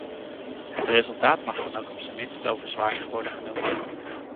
Het resultaat mag dan ook op zijn minst lovenswaardig worden genoemd.